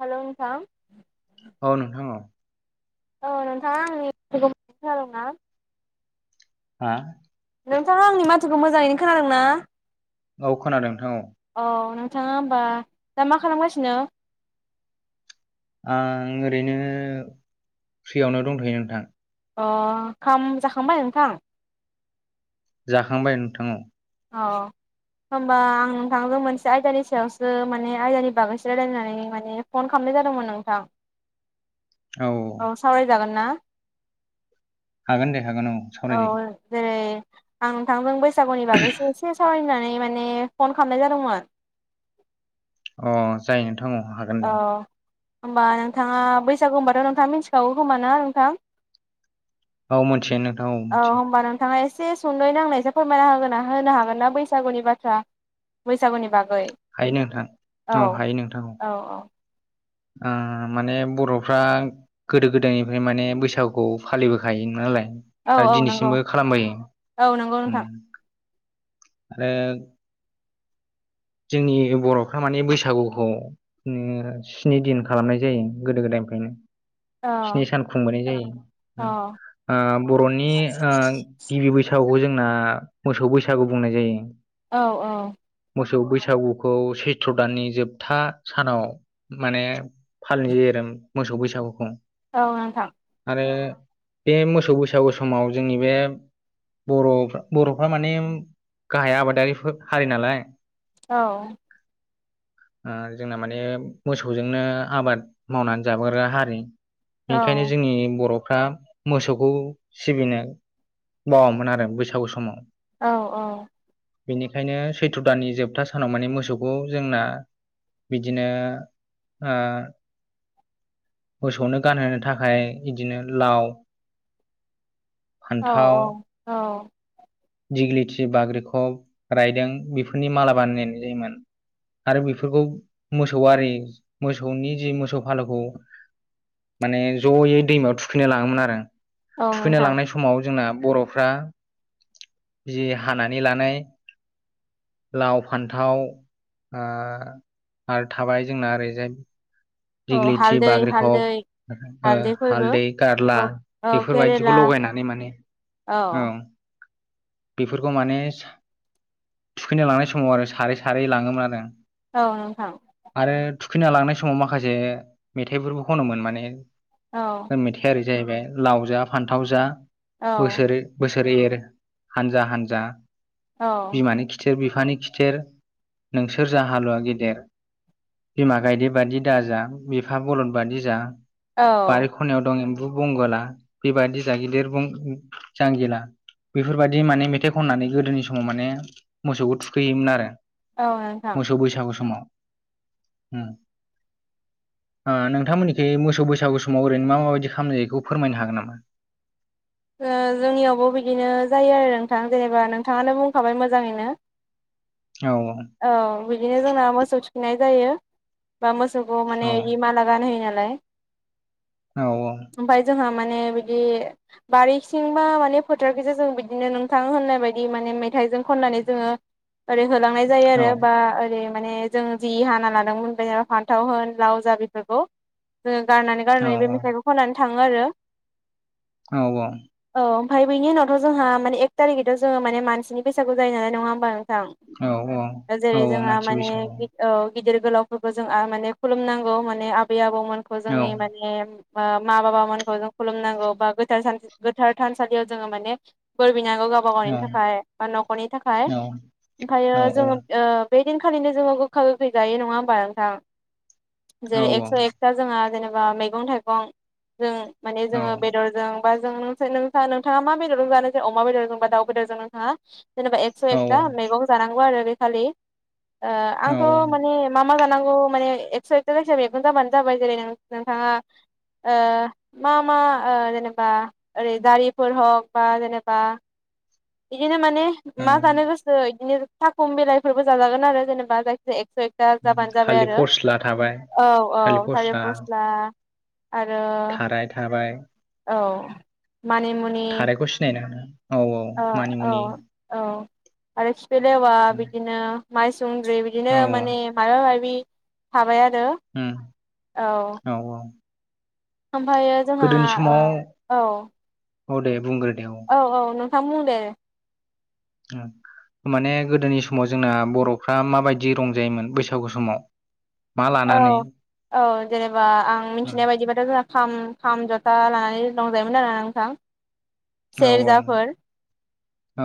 Hello नोंथां औ नोंथां औ। औ नोंथांङा आंनि [unintelligible] हा नोंथाङा आंनि माथोखौ मोजांङैनो खोनादों ना? औ खोनादों। औ नोंथाङा होमबा दा मा खालामगासिनो? आं ओरैनो फ्रिआवनो दंथ'यो नोंथां। अ खाम जाखांबाय नोंथां? जाखांबाय नोंथां औ। अ होम्बा आं नोंथांजों मोनसे आयदानि सायावसो माने आयदानि बागैसो रायलायनानै माने फन खालाम जादोंमोन नोंथां औ सावरायजागोन ना? हागोन दे। हागोन औ सावरायजायो औ जेरै नोंथांजों बैसागुनि बागैसो एसे सावरायनो माने फन खामनाय जादोंमोन। अ जायो नोंथां औ हागोन औ दे। होमबा नोंथाङा बैसागु होनबाथ' नोंथाङा मिथिखागौ खोमा ना नोंथां। औ मोनथियो नों औ होनबा नोंथाङा एस एसे सुंदयै आंनो फोरमायना होगोना होनो हागोन ना बैसागुनि बाथ्रा बैसागुनि बाग हायो नोंथां औ हायो नोंथां। औ ओ माने बर'फ्रा गोदो गोदायनिफ्राय माने बैसागुखौ फालिबोखायो नालाय औ आरो औ नंगौ दिनैसिमबो खालामबोयो औ नंगौ उम नोंथां आरो। जोंनि बर'फ्रा माने बैसागुखौ उम स्नि दिन खालामनाय जायो गोदो गोदाय निफ्रायनो औ स्नि सान खुंबोनाय जायो। औ ओ बर'नि ओ गिबि बैसागुखौ जोंना मोसौ बैसागु बुंनाय जायो। औ औ मोसौ बैसागुखौ सैथ्र' दाननि जोबथा सानाव माने फालिनाय जायो आरो। मोसौ बैसागुखौ। औ नोंथां। आरो बे मोसौ बैसागु समाव जोंनि बे बर' बर'फ्रा माने गाहाय आबादारिफोर हारि नालाय। औ। ओ जोंना माने मोसौजोंनो आबाद मावनानै जाबोग्रा हारि। औ बेनिखायनो जोंनि बर' फ्रा मोसौखौ सिबिनो बावामोन आरो बैसागु समाव औ औ बेनिखायनो सैथ्र' दाननि जोब था सानाव माने मोसौखौ जोंना बिदिनो मोसौनो गानहोनो थाखाय बिदिनो लाव औ फान्थाव औ औ दिग्लिथि बाग्रिखब रायदों बेफोरनि माला बानायनाय जायोमोन। आरो बेफोरखौ मोसौ आरि मोसौनि जि मोसौ फालोखौ माने ज'यै दैमायाव थुखैनो लाङोमोन आरो। औ थुखैना नोंथां लांनाय समाव जोंना बर'फोरा जि हानानै लानाय लाव फान्थाव आरो थाबाय जोंना ओरैजाय औ दिगलिथि हालदै हालदै बाग्रिखौब ओ हालदै गारला औ औ केरेला बेफोरबायदिखौ लगायनानै माने औ बेफोरखौ माने थुखैनो लांनाय समाव आरो सारै सारै लाङोमोन आरो औ नोंथां आरो थुखैना लांनाय समाव माखासे मेथाइफोरबो खनोमोन माने औ मेथाइ आरोखि जाहैबाय लाव जा फान्थाव जा औ बोसोर बोसोर एर एर हानजा हानजा बिमानि खिथेर बि बिफानि खिथेर नोंसोर जा हालुवा गेदेर बिमा गायदे बायदि दा जा बिफा बलद बादि जा। औ बारि खनायाव दं बो बुंगला बेबायादि जा गिदिर बुं जांगिला बेफोरबायाददि माने मेथाइ खननानै गोदोनि समाव माने मोसौखौ थुखैयोमोन आरो औ नोंथां मोसौ बैसागु समाव बुंथिगिरि फोरखौ खोनानो हायाखै [inaudible] नोंथांमोननिख मोसौ बैसागु समाव ओरैनो मा माबायदि खालाम जायो बेखौ फोरमायनो हागोन नामा? ओ जोंनियावबो बिदिनो जायो आरो नोंथां। जेनेबा नोंथाङानो बुंखाबाय मोजाङैनो। औ बिदिनो जोंना मोसौ थुखैनाय जायो बा मोसौ ग औ माने माला गानहोयो नालाय। औ औ ओमफाय जोंहा माने बिदि बारिसिंबा माने फोथारखसो जों बिदिनो नोंथां होननाय बायदि माने मेथाइजों खननानै जोङो ओरै होलांनाय जायो औ आरो बा ओरै माने जों जि हाना लादोंमोन बे फान्थाव होन लाव जा बेफोरखौ जोङो गारनानै औ गारनानै बे मेथाइखौ खोनानै थाङो आरो। औ औ। औ ओमफ्राय बिनि उनावथ' जोंहा मानि एक थारिखैथ' जोंयो माने मानसिनि बैसाखौ जायो नङा होमबा थां औ औ । औ जेरै औ जोंहा मानसि माने बैसागु औ गिदिर गोलावफोरखौ जों आ माने खुलुमनांगौ माने आबै आबौमोनखौ औ जोंनि माने मा बाबामोनखौ जों खुलुमनांगौ बा गो गोथार थानसालियाव जोङो माने लुबैनांगौ गावबा औ गावनि थाखाय बा न'खरनि थाखाय औ ओमफ्रायो औ जोङो बे दिनखालिनो जोङो गोखा गोखै जायो नङा होमबा नोंथां जेरै एक्स' एकथा जोंहा जेनेबा मैगं थाइगं जों माने जोङो बेदरजों जों नोंथाङा मा बेदरजों जानो जे अमा बेदरजोंबा दाव बेदरजों नोंथांङा जेनेबा एकस' औ एकथा मैगं जानांगौ आरो बेखालि औ आंथ' माने मा मा जानांगौ माने एकस एकाथा मैगं जाबानो जाबाय जेरै नोंथाङा आ मा मा आ जेन बा ओरै जारिफोर हक बा जेनेबा बिदिनो माने मा औ जानो गोसो बिदिनो साखम बिलाइफोरबो जाजागोन आरो जेनेबा जायखि एकस एकथा जाबानो जाबाय थालिर आरो फस्ला थाबाय औ औ थालिर फस्ला आरो थाराय थाबाय औ। मानिमुनि थारायखौ सिनायो नों औ औ ओ मानि औ मुनि औ आरो खिफिलेवा बिदिनो माइ सुनद्रि बिदिनो औ औ माने मायाबा माबि थाबाय आरो औ औ ओमफ्रायो जोंहा गोदोनि समाव ओ औ। औ दे बुंग्रो औ औ नोंथां बुं दे। उम। माने गोदोनि समाव जोंना बर'फ्रा माबायदि रंजायोमोन बैसागु समाव? मा औ लानानै औ जेनेबा आं उम, मिथिनाय बायदिबाथ' जोंहा खाम खाम जथा लानानै रंजायोमोन आरोना नोंथां? औ औ सेरजाफोर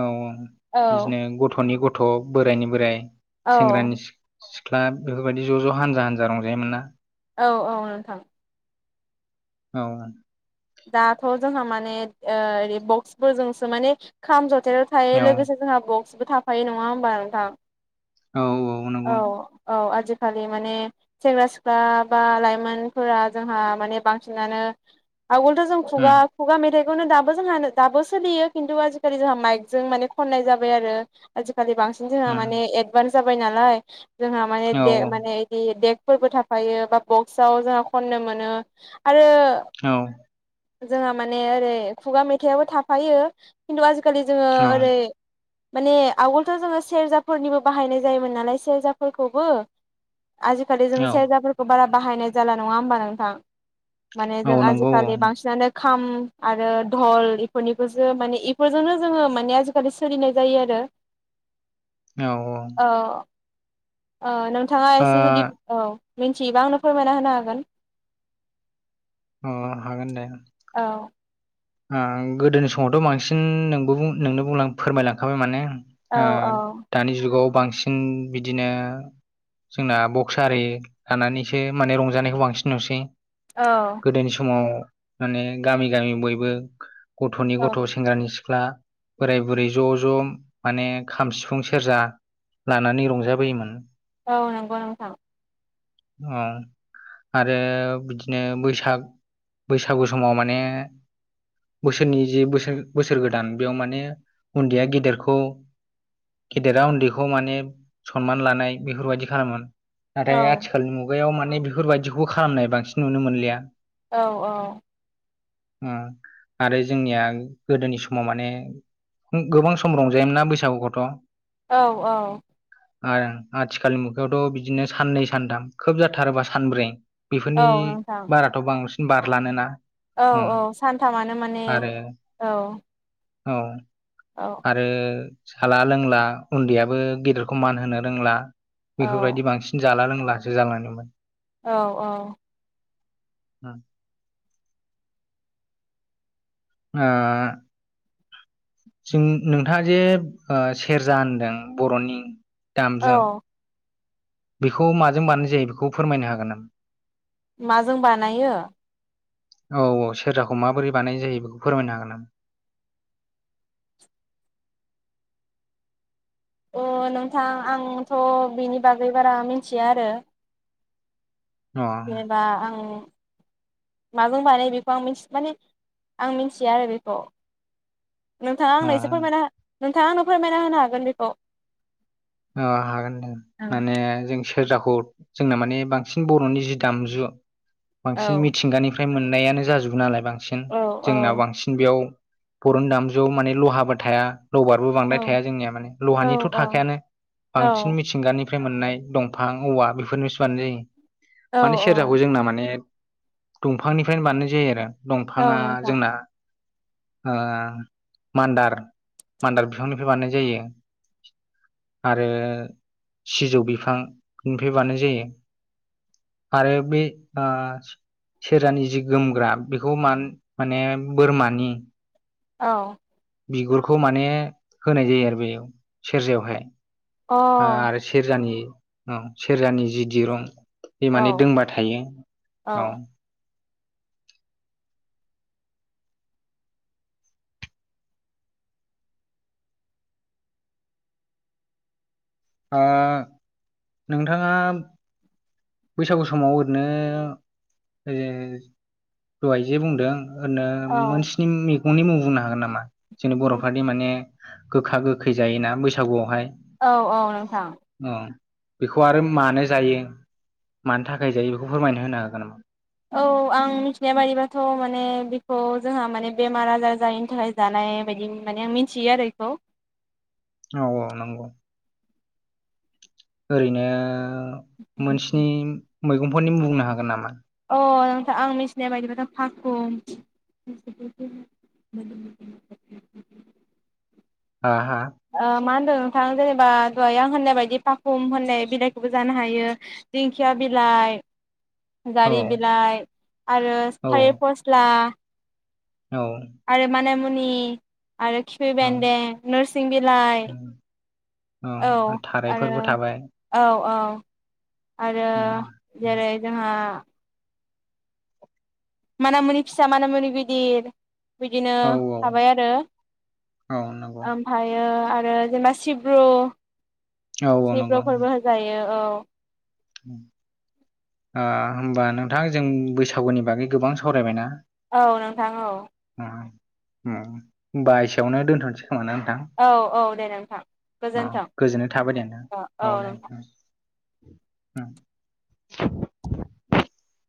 औ औ औ बिदिनो गथ'नि ग थ' बोराइनि बोराइ औ सेंग्रानि सिख्ला बेफोरबायदि ज' ज' हानजा हान्जा रंजायोमोन ना? औ औ नोंथां। औ। दाथ' जोंहा माने ओ बक्सफोरजोंसो माने खाम ज थायाथ' थायो औ लोगोसे जोंहा बक्सबो थाफायो नङा होमबा नोंथां? औ औ नंगौ औ आजि खालि माने सेंग्रा सिख्ला बा लाइमोनफोरा जोंहा माने बांसिनानो आगोलथ जों उम खुगा खुगा मेथाइ खौनो दाबो जोंहानो दाबो सोलियो खिन्थु आजिखालि जोंहा माइक जों माने खननाय जाबाय आरो आजि खालि बांसिन जोंहा उम माने एडभान्स जाबाय नालाय जोंहा माने औ दे माने बिदि देग फोरबो थाफायो बा बक्सआव जोंहा खन्नो मोनो आरो औ जोंहा माने ओरै खुगा मेथाइआबो थाफायो खिन्थु आजिखालि जोङो औ ओरै माने आवगोलथ' जोङो सेरजाफोरनिबो बाहायनाय जायोमोन नालाय सेरजाफोरखौबो? आजिखालि जों औ सेरजाफोरखौ बारा बाहायनाय जाला नङा होमबा नोंथां? माने जों औ नंगौ औ आजिखालि बांसिनानो खाम आरो धल इफोरनिखौसो माने इफोरजोंनो जोङो माने आजिखालि सोलिनाय जायो आरो। [inaudible] [unintelligible] औ औ। औ औ नोंथाङा एसे जुदि औ। मिथियोबा आंनो फोरमायना होनो हागोन। अ हागोन दे। औ ओ गोदोनि समावथ' बांसिन नोंबो बुं नोंनो फोरमायलांखाबाय माने औ ओ औ दानि जुगाव बांसिन बिदिनो जोंना बक्स आरि लानानैसो माने रंजानायखौ बांसिन नुसै। औ गोदोनि समाव माने गामि गामि बयबो गथ'नि औ गथ' सेंग्रानि सिख्ला बोराय बुरै ज' ज' माने खाम सिफुं सेरजा लानानै रंजाबोयोमोन। औ नंगौ नोंथां। औ। आरो बिदिनो बैसाग बैसागु समाव माने बोसोरनि जे बोसोर बोसोर गोदान बेयाव माने उन्दैया गेदेरखौ गेदेरा उन्दैखौ माने सनमान लानाय बेफोरबायदि खालामोमोन। औ नाथाय आथिखालनि मुगायाव माने बेफोरबायदिखौ खालामनाय बांसिन नुनो मोनलिया। औ औ। उम आरो जोंनिया गोदोनि समाव माने गोबां सम रंजायोमोन ना बैसागुखौथ'? औ औ। आरो उम आथिखालनि मुगायावथ' बिदिनो साननै सानथाम खोब जाथारोबा सानब्रै बेफोरनि औ नोंथां बाराथ' बांसिन बारलानोना? औ उम औ सानथामानो माने आरो औ। औ आरो साला लोंला उन्दैयाबो गेदेरखौ मान होनो रोंला औ बेफोरबायदि बांसिन जाला लोंलासो जालांदोंमोन औ औ औ ओ जों नोंथाङा जे सेरजा होनदों बर'नि दामजु औ बेखौ माजों बानाय जायो बेखौ फोरमायनो हागोननामा, माजों बानायो औ औ सेरजाखौ माबोरै बानायनाय जायो बेखौ फोरमायनो हागोन नामा? अ नोंथां आंथ' बिनि बागै बारा मिथिया आरो अ जेनेबा आं माजों बानायो बेखौ आंथि माने आं मिथिया आरो बेखौ नोंथांङा अ आंनो एसे फोरमायना नोंथांङा आंनो फोरमायना होनो हागोन बेखौ। औ हागोन दे माने जों सेरजाखौ जोंना माने बांसिन बर'नि जि दामजु औ बांसिन मिथिंगानिफ्राय मोननायानो जाजोबो नालाय बांसिन औ जोंनाव बांसिन बेयाव बर'नि दामजुआव माने लहाबो थाया लबारबो औ बांद्राय थाया जोंनिया माने औ लहानिथ' थाखायानो। औ बांसिन मिथिंगानिफ्राय मोननाय दंफां औवा बेफोरनिसो बानायनाय जायो। औ माने सेरजाखौ जोंना माने दंफांनिफ्रायनो बानायनाय जायो आरो। औ दंफाङा नोंथां जोंना ओ मान्दार मान्दार बिफांनिफ्राय बानायनाय जायो। आरो सिजौ बिफांनिफ्राय बानाय जायो। आरो बे आ सेरजानि जि गोमग्रा बेखौ मा माने बोरमानि औ। बिगुरखौ माने होनाय जायो आरो बेयाव सेरजायावहाय। अ औ ओ आरो सेरजानि औ सेरजानि जि दिरुं बे माने औ दोंबा थायो औ। ओ नोंथांङा बैसागु समाव ओरैनो ओजै दहायजो बुंदों ओरैनो औ मोनस्नि मैगंनि मुं बुंनो हागोन नामा? जोंनि बर'फोरनि माने गोखा गोखै जायोना बैसागुआवहाय। औ औ नोंथां। औ बेखौ आरो मानो जायो मानो थाखाय जायो बेखौ फोरमायना होनो हागोन नामा? औ आं मिथिनाया बाददिबाथ' माने बेखौ जोंहा माने बेमार आजार जायैनि थाखाय जा नाय बादि माने आं मिथियो आरो बेखौ। औ औ नंगौ। ओरैनो मोनस्नि मैगंफोरनि मुं बुंनो हागोन नामा? अ नोंथां आं मिथिनाय बायदिब्लाथ' फाखु [unintelligible] हा हा? ओ मा होनदों नोंथां? जेनेबा दाहाय आं होननाय बायदि फाखुम होननाय बिलाइखौबो जानो हायो दिंखिया बिलाइ औ जारि बिलाइ आरो औ थालिर फस्ला औ आरो मानामुनि आरो खिफि औ बेन्दों नोरसिं बिलाइ। औ औ आरो थारायफोरबो थाबाय औ औ। आरो ओ, जेरै जोंहा मानामुनि फिसा मानामुनि गिदिर। बिदिनो औ थाबाय आरो औ नंगौ ओमफ्रायो आ रो जेनेबा सिब्रु औ औ सिब्रु नंगौ फोरबो होजायो औ। ओ होमबा नोंथां जों बैसागुनि बागै गोबां सावरायबायना? औ नोंथां औ। ओ, उम होमबा एसेयावनो दोनथ'नोसै खोमा ना नोंथां? औ औ दे नोंथां अ गोजोन्थों गोजोननाय थाबाय दे नोंथां औ दे नोंथां। [unintelligible]